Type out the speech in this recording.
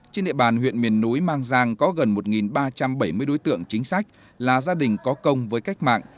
trên địa bàn huyện miền núi mang giang có gần một ba trăm bảy mươi đối tượng chính sách là gia đình có công với cách mạng